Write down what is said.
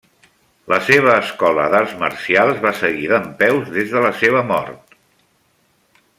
La seva escola d'arts marcials va seguir dempeus des de la seva mort.